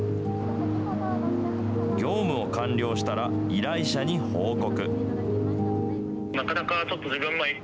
業務を完了したら、依頼者に報告。